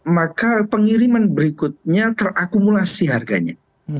maka pengiriman berikutnya terakumulasi harganya